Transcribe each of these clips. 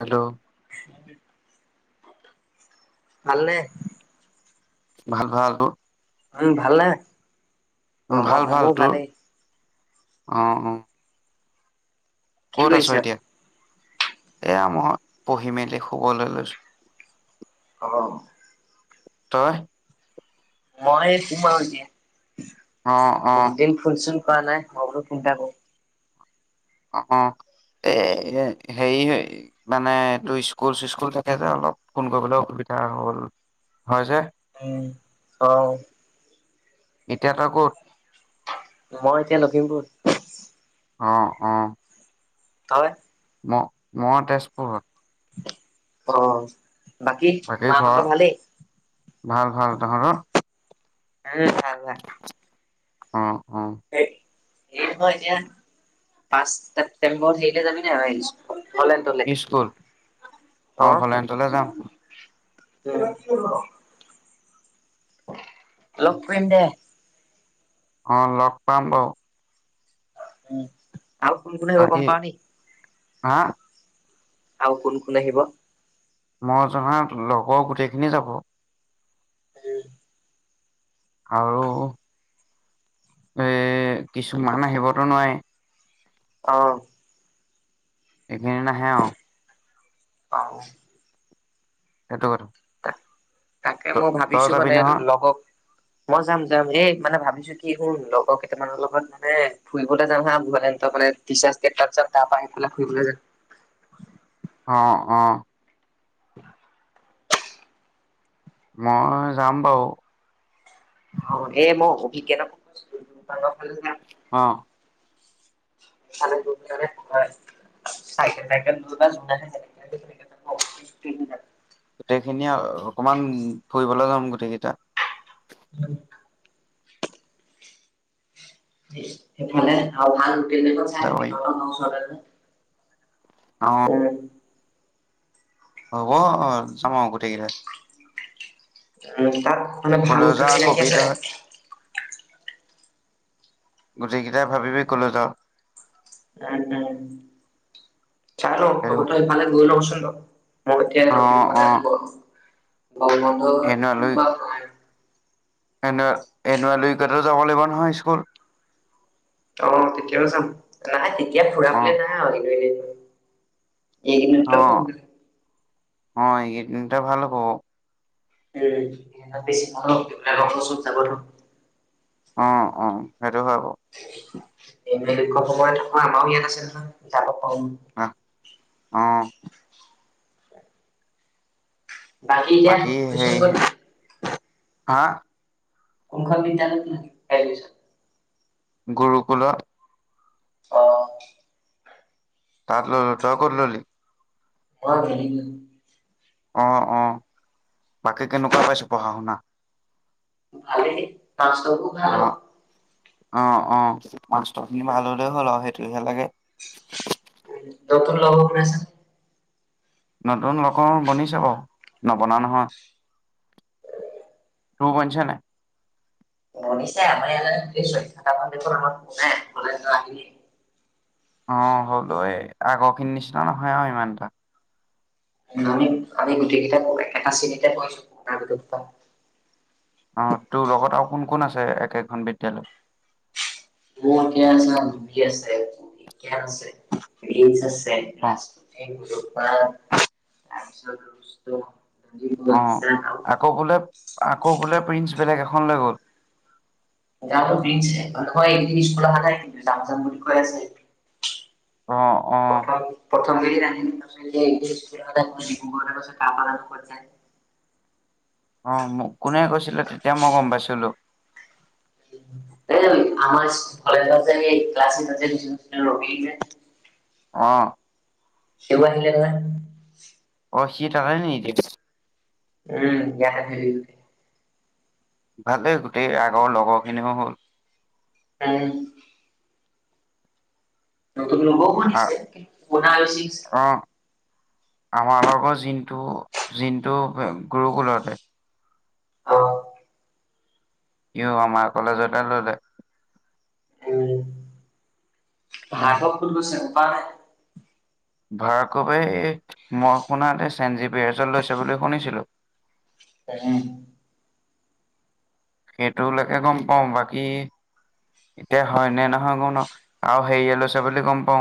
Hello? ভালনে? ভাল ভাল। তোৰ? উম, ভাল নে? ভাল, ভাল। তোৰ? অ, অ। কি ক'ত, আছ কৰিছ? এতিয়া? এয়া মই পঢ়ি-মেলি শুবলৈ লৈছোঁ। অ, '। তই? মই শুমা আৰু এতিয়া। অ অ বহুত দিন ফোন চোন কৰা নাই। মই বোলো ফোন এটা কৰোঁ। অ, অ। এ, এ হেৰিহেৰি মানে এইটো স্কুল চিস্কুল থাকে যে, অলপ ফোন কৰিবলে অসুবিধা হ'ল। হয় যে উম, অ,। এতিয়া তই ক'ত? মই এতিয়া লখিমপুৰ। অ, অ,। তই? ম মই তেজপুৰত। অ,। বাকী মাহঁতৰ ঘৰৰ, ভালেই? ভাল ভাল তহঁতৰ? [inaudible] অঁ অঁ। হেৰি নহয় এতিয়া, পাঁচ ছেপ্তেম্বৰত হেৰিলে যাবি নাই, ব আহিছো। অলে তলে স্কুল? অ অঁ [inaudible] ভলেণ্টলে যাম। লগ কৰিম দে। অঁ লগ পাম বাৰু। উম, আৰু কোন কোন আহিব বাকী গম পাৱনি। হা। আৰু কোন কোন আহিব? মই জনাত লগৰ গোটেইখিনি যাব। [inaudible] আৰু এ কিছুমান আহিবতো নোৱাৰি। অঁহ এইখিনি নাহে আও। অঁ। সেইটো কথা তাকে ত মই তই ভাবিছো যাবি মানে নহয় লগক মই যাম যাম এই মানে ভাবিছো, কি শুন লগৰ কেইটামানৰ লগত মানে ফুৰিবলৈ যাম হা, মানে হেতক মানে টিচাচ ডেত ভাত চাট তাৰ পৰা সেইফালে ফুৰিবলৈ যাম। অঁ অঁ। [inaudible] মই যাম বাৰু। অঁ এ মই অভিজ্ঞকো ফোন মাৰিছিলো ফালে যাম। অঁ। [unintelligible] [inaudible] গোটেই খিনি অকমান ফুৰিবলৈ যাম গোটেই কেইটা। [inaudible] যাব পাৰিম [unintelligible] অঁ। উম। হব, অঁ যাম আৰু গোটেইকেইটাই। উম, তাত মানে কলৈ ভাল যাৱ চিনাকি কবি আছে। তই গোটেই কেইটাই ভাবিবি ক'লৈ যাও। উম উম, চাই ল সেইটো তহঁতৰ কথা এইফালে গৈ লওক চোন বাও। মোক এতিয়া অ অ লক্ষিমপুৰতে আহিব এনুৱেল বন্ধটো উইক বা ন। এনুৱেল এনুৱেল উইকত ও যাব লাগিব নহয় স্কুল। অঁ, তেতিয়াও যাম নাই তেতিয়া অ ফুৰাবলে নাই আৰু এনুৱেলি। এইকেইদিনতে ফুৰুঙগে। অঁ এইকেইদিনটে ভাল হ'ব ক। উম, বেছি ভাল হব, লগৰবোৰ চব যাব ন। অঁ অঁ, সেইটো হয় বাও। এনুৱেল উইকৰ সময়ত আমাৰো ইয়াত আছে নহয় যাদৱ পায়েঙ। আহ অ। এতিয়া বাকী এডমিচন সেই ক'ত হে, হা? কোনখন বিদ্যালয়ত ন এডমিছন? গুৰুকুুলত। অ। তাতা ললো, তই কত ললি? [unintelligible] অ অ, বাকী কেনেকুৱা পাইছ পঢ়া - শুনা? ভালেই মাষ্টৰটো ভাল অ আৰু। অ অ, মাষ্টৰখিনি ভাল হ'লে হ'ল আৰু সেইটোহে লাগে। [unintelligible] নতুন [unintelligible] বনিছে বাৰু, নবনা নহয়। তোৰ বনিছে নাই? বনিছে আমাৰ ইয়ালে [unintelligible] অ হ'লো এই আগৰখিনি নিচিনা নহয় আৰু ইমান এটা। আমি আমি গোটেই কেইটা একেটা শ্ৰেণী পঢ়িচো তাৰ গোটেইকেইটা। অ তোৰ লগত আৰু কোন কোন আছে একেখন বিদ্যালয়ত? মোৰ এতিয়া চা, ঠিকে আছে, ঠিকে আছে, এজ আছ অ টেকৰাজ এ গুৰু পৰা আশ্ৰয় লৈছিলো। অ আকৌ বোলে আকৌ বোলে প্ৰিঞ্চ বেলেগ এখন লৈ গ'ল। জানো প্ৰিঞ্চ [unintelligible] এইকেইদিন স্কুল অহা নাই কিন্তু যাম যাম বুলি কৈ আছে। অ অ। থম প্ৰথম কেইদিন আহিল তাৰপিছত এতিয়া স্কুল অহা নাই ডিব্ৰুগড় লে গৈছে [unintelligible] অ মোক কোনে কৈছিলে তেতিয়া মই গম পাইছিলো। এই আমাৰ ইচ কলেজত যে হেই ক্লাছ চিটত যে দিছিলোঁ ৰবি যে অ। সিও আহিলে নহয়। অ সি থাকা নি এতিয়া। উম এতিয়া থাকে [unintelligible] ভালেই গোটেই আগৰ লগৰখিনিও হ'ল। [unintelligible] নতুন লগৰো আ- বনিছে কিন পুনা আৰু ছিক্স অ আমাৰ আমাৰ ঘৰ জিণ্টু জিণ্টু অ গুৰুকুুলতে। অ। ইও আমাৰ কলেজতে ললে। উম ভাৰ্গৱ কত লৈছে গম পাওঁ নে? ভাৰ্গৱে এই মই শুনাতে চেণ্ট জিভয়াৰজত লৈছে বুলি শুনিছিলো। এ উম। সেইটোলৈকে গম পাওঁ বাকী এতিয়া হয় নে নহয় গম নাপাওঁ আৰু হেৰিয়ে লৈছে বুলি গম পাও।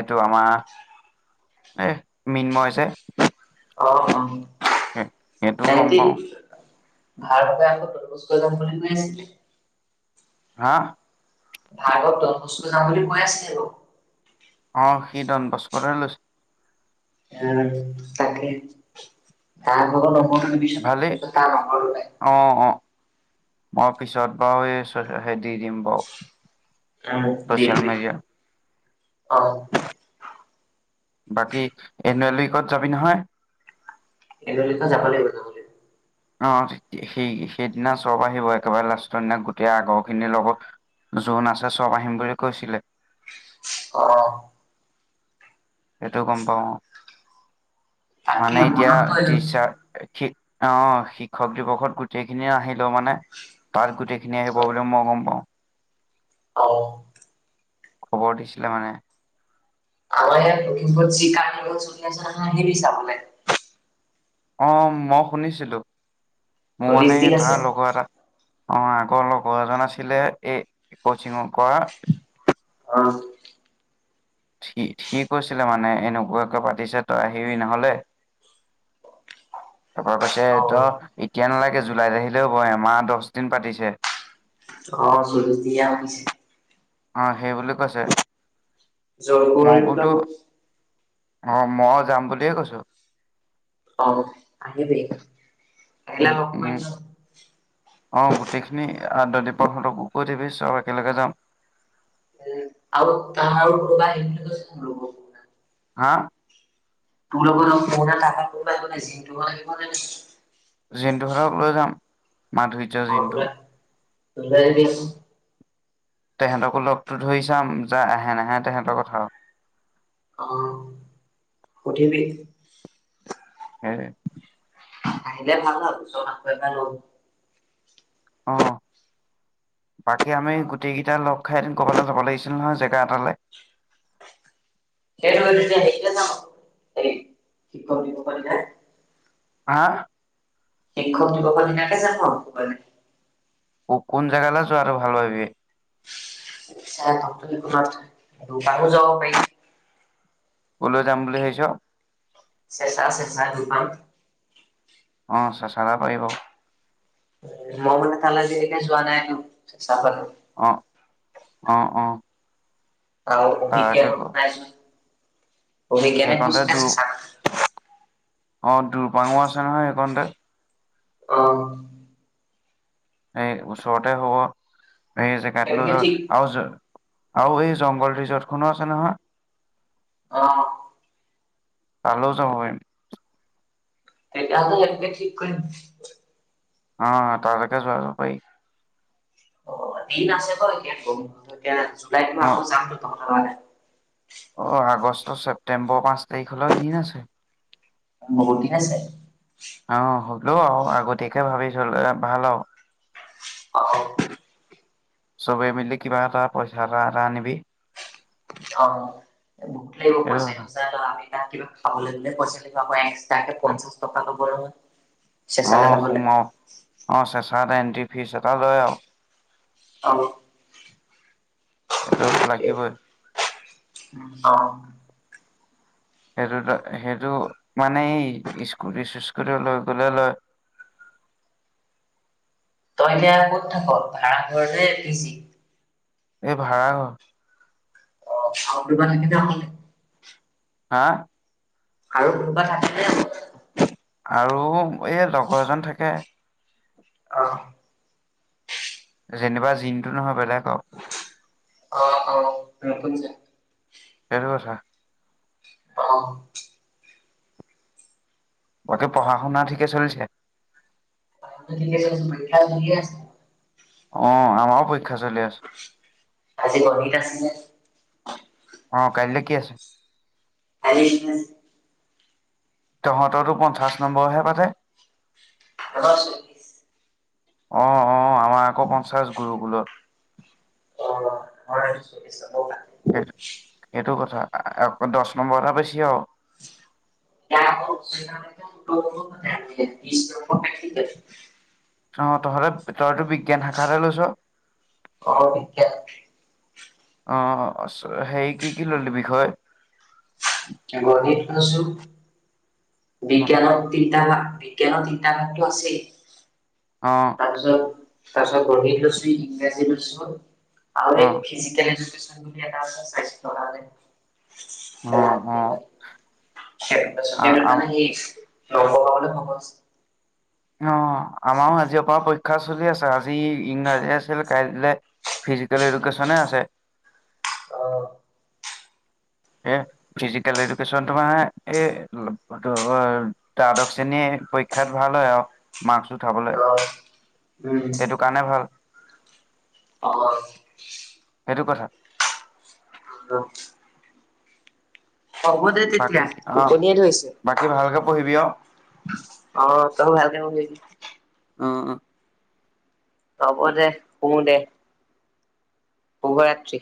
এইটো আমাৰ এই মৃন্মই যে। অ অ, সে- সেইটোও গম সেহতি পাওঁ ভাৰ্গবে আকৌ ডন বস্কত যাম বুলি কৈ আছিলে। হা? ভাৰ্গৱ ডন বস্ক'ত যাম বুলি কৈ আছিলে বাৰু অঁ সি ডন বস্ক'তে লৈছে অ তাকে তাৰ ভাগৰ নম্বৰটো দিবিছোন ভালেই এইটো তাৰ বাপেকৰ হে অ অ মই পিছত বাৰু এই হে দি দিম বাৰু উম দি ছ'চিয়েল দিবি মিডিয়া অ বাকী এনুৱেল উইকত যাবি নহয়? এনুৱেল উইকত যাব লাগিব। লাগিব। অ', সেই-সেইদিনা চব আহিব একেবাৰে লাষ্টৰ দিনা গোটেই আগৰ খিনিৰ লগত যোন আছে চব আহিম বুলি কৈছিলে। অ'। সেইটো গ'ম পাওঁ অ' মানে এতিয়া মনত পৰিল। টিচাৰ অ', শিক্ষক দিৱসত গোটেইখিনি আহিলেও মানে তাত গোটেই খিনি আহিব বুলি মই গম পাওঁ। অ'। খবৰ দিছিলে মানে। আমাৰ ইয়াত লখিমপুৰ চি কাৰ্ণিভেল চলি আছে নহয়, আহিবি চাবলৈ। অ', মই শুনিছিলো, মোৰ চল্লিশ মানে দিন আছে। তাৰ লগৰ এটা অ', আগৰ লগৰ এজন আছিলে এই কচিঙৰ কৰা। অ'। সি কৈছিলে মানে এনেকুৱাকে পাতিছে তই আহিবি ন'হলে। [inaudible] তাৰপৰা কৈছে অ তই এতিয়া নালাগে জুলাইত আহিলেও' হ'ব এমাহ দহ দিন পাতিছে। অ', চল্লিশ দিনীয়া পাতিছে অ', সেই বুলি কৈছে মই জলকুঁৱৰী বোলো ওলাব। অ', মই যাম বুলিয়ে কৈছোঁ। অ', আহিবি আহিলে উম লগ কৰিম উম ন'? অ', গোটেইখিনি দ দীপক হঁতকো কৈ থবি চব একেলগে যাম। উম, আৰু তাৰ আৰু কোনোবা আহিম বুলি কৈছে লগৰ কোনোবা। হা? তোৰ লগৰ [unintelligible] জিণ্টু হঁতক লৈ যাম মাধু অ' সিহঁত দুটাক লৈ আহিবি তেহেঁতকো লগতো ধৰি চাম য আহে নাহে তেহেঁতৰ কথা আৰু। অ', সুধিবি। হেইটোৱে। আহিলে ভাল আৰু ওচৰৰ মানুহ বোৰে পায় লগ অ', বাকী আমি অ গোটেই কেইটা লগ খাই এদিন ক'বালৈ যাবা লাগিছিল নহয় জেগা এটালৈ। সেই টোৱে তেতিয়া হেৰিলে যাম হেই শিক্ষক দিৱসৰ দিনা। হা? শিক্ষক দিৱসৰ দিনাকে যাম আৰু ক'বালে। কোন জেগালে যোৱাটো ভাল পাবি? [unintelligible] যাব পাৰি কলৈ যাম বুলি ভাবিছ? চেঁচা চেঁচা একদম অ' চেঁচা হলে পাৰিব মই মানে তালে আজি লৈকে যোৱা নাই ন চাবলে অ' অ' অ'। আৰু তাকে ক অভিজ্ঞানহঁত নাই চোন অভিজ্ঞানে সেইকণতে কৈছিলে দূৰ চেঁচা কথা। অ' দুুৰপাঙো আছে নহয় সেইকনতে। অ'। সেই ওচৰতে হ'ব সেই জেগাটো লৈ সেইটোকে ঠিক যোৱা আৰু আৰু এই জংঘল ৰিজৰ্টখনো আছে নহয় অ'। তালৈও যাব পাৰিম তেতিয়া হ'লে নেটপেক ঠিক কৰিম অ তাৰ লৈকে যোৱা যাব পাৰি অ দিন আছে বা এতিয়া এতিয়া জুলাইত মাহত অ আকৌ যামতো তহঁতৰ কাৰণে অ আগষ্ট ছেপ্টেম্বৰ পাঁচ তাৰিখ লৈ দিন আছে বহুত দিন আছে অ হ'লেও আৰু আগতীয়াকে ভাবি থলে ভাল আৰু অহ চবে মিলি কিবা এটা পইচা এটা এটা আনিবি অ নিব লাগিব এইটো কথা পইচাটো আমি তো কিবা এটা খাবলৈ গ'লে পইচা লাগিব পাৰে একস্তাকে পঞ্চাছ টকা হ'লেও অ সোমাওক অ চেঁচাত এটা এণ্ট্ৰি ফীচ এটা লৈ আক অ সেইটো লাগিবই অহ সেইটোতো সেইটো মানে এই স্কুটি চিস্কুটি লৈ গ'লেও লয় তই এতিয়া ক'ত থাক ভাড়া ঘৰতে না পিজি এই ভাড়া ঘৰ অ আও কিবা থাকি যাব হা আৰু কোনোবা থাকেনে অকলে আৰু এই লগৰ এজন থাকে অ যেনিবা জিমটো নহয় বেলেগৰ অ অ [unintelligible] এনেকুৱা কথা অ অ তোৰ পঢ়া শুনা ঠিকে চলিছে ঠিকে চলিছে পৰীক্ষা চলি আছে অ আমাৰও পৰীক্ষা চলি আছে আজি গণিত আছিলে। অঁ কাইলে কি আছে? [unintelligible] তহঁতৰতো পঞ্চাছ নম্বৰহে পাতে। [unintelligible] অ অ আমাৰ আকৌ পঞ্চাশ গুৰু বুলত [unintelligible] সেইটো সেইটো কথা দহ নম্বৰ এটা বেছি হওক আৰু [unintelligible] অ তহঁতে তইতো বিজ্ঞান শাখাতে লৈছ। [unintelligible] অ হেৰি কি কি ললি বিষয়? গণিত লৈছো বিজ্ঞানৰ তিনটা মান তিনটা মান ভাগ আছেই অঁ, তাৰ পিছত তাৰ পিছত লৈছো ইংৰাজী লৈছো। আৰু অ এটা ফিজিকেল এডুকেশ্বন বুলি আছে স্বাস্থ্য কাৰণে অ', অ', [unintelligible] ন আ-আ অ', বগাবলৈ ভাব আ অ আমাৰো আজিৰ পৰা পৰীক্ষা চলি আছে আজি ইংৰাজী আছিল কাইলে ফিজিকেল এডুকেশচনে আছে। অ, এ ফিজিকেল এডুকেশচন তোমাৰে এ এইটো দ্বাদশ শ্ৰেণীয়ে পৰীক্ষাত ভাল হয় আৰু মাৰ্কচ উঠাবলৈ। উম সেইটো কাৰণে ভাল, অ সেইটো কথা। অ, হ'ব দে বাকী তেতিয়া অ', টোপনিয়ে ধৰিছে বাকী ভালকে পঢ়িবি আৰু। অ তই ভাল কে পঢ়িবি অ, অ, হব দে শু দে শুভৰাত্ৰি